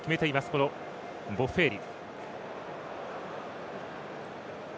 このボッフェーリ。